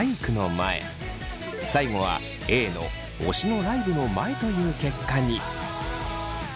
最後はＡの「推しのライブの前」という結果に。